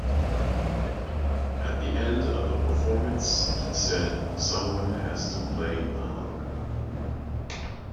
At the end of the performance, he said: "Someone has to play the hunk".